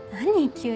急に。